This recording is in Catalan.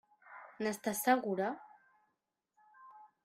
N'estàs segura?